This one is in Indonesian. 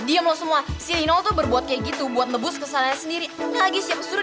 diam lo semua si lino tuh berbuat kayak gitu buat nebus kesalahan sendiri lagi siap suruh